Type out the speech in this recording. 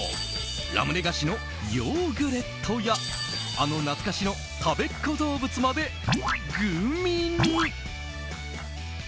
ラムネ菓子のヨーグレットやあの懐かしのたべっ子どうぶつまでグミに。